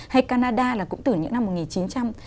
hay canada là cũng từ những năm một nghìn chín trăm linh